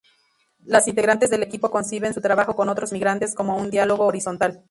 Las integrantes del equipo conciben su trabajo con otros migrantes como un diálogo horizontal.